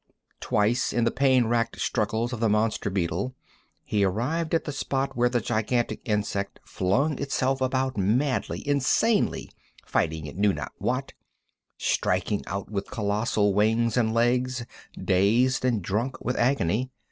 Twice, in the pain racked struggles of the monster beetle, he arrived at the spot where the gigantic insect flung itself about madly, insanely, fighting it knew not what, striking out with colossal wings and legs, dazed and drunk with agony.